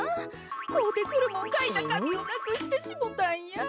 こうてくるもんかいたかみをなくしてしもたんや。